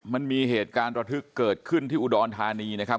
มันมีเหตุการณ์ระทึกเกิดขึ้นที่อุดรธานีนะครับ